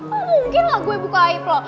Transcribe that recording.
kok mungkin lah gue buka aib lo